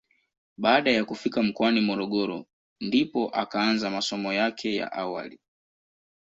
Baada ya kufika mkoani Morogoro ndipo akaanza masomo yake ya awali.